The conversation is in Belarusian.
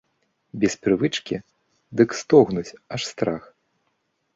Без прывычкі, дык стогнуць, аж страх!